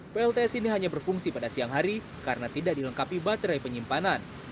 plts ini hanya berfungsi pada siang hari karena tidak dilengkapi baterai penyimpanan